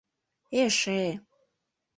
Эше!»